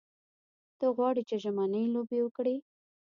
ته غواړې چې ژمنۍ لوبې وکړې.